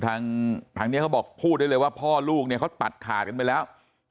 ทางนี้เขาบอกพูดได้เลยว่าพ่อลูกเนี่ยเขาตัดขาดกันไปแล้ว